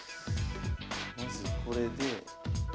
まずこれで。